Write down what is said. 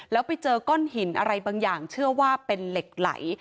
แล้วไปเจอก้อนหินอะไรบางอย่างเชื่อว่าเป็นเหล็กไหล